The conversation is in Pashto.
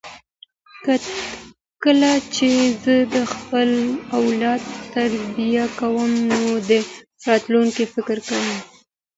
کله چې زه د خپل اولاد تربیت کوم نو د راتلونکي فکر کوم.